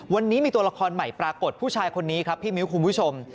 วันนี้มีตัวละครใหม่ปรากฏผู้ชายคนนี้ครับพี่มิ้วคุณผู้ชม